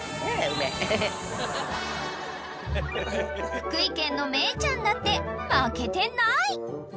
［福井県のメイちゃんだって負けてない］